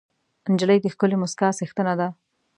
نجلۍ د ښکلې موسکا څښتنه ده.